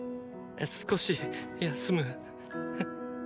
少し休む。